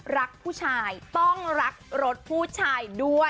รักผู้ชายต้องรักรถผู้ชายด้วย